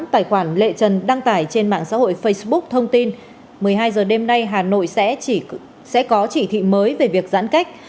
tài khoản lệ trần đăng tải trên mạng xã hội facebook thông tin một mươi hai h đêm nay hà nội sẽ có chỉ thị mới về việc giãn cách